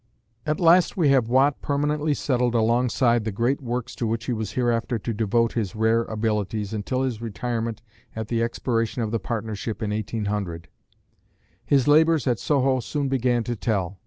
At last we have Watt permanently settled alongside the great works to which he was hereafter to devote his rare abilities until his retirement at the expiration of the partnership in 1800. His labors at Soho soon began to tell.